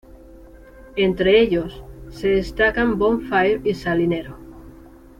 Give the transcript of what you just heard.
Entre ellos, se destacan Bonfire y Salinero.